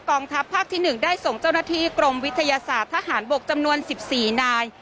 ทัพภาคที่๑ได้ส่งเจ้าหน้าที่กรมวิทยาศาสตร์ทหารบกจำนวน๑๔นาย